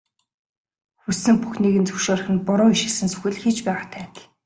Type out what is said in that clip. Хүссэн бүхнийг нь зөвшөөрөх нь буруу ишилсэн сүх л хийж байгаатай адил.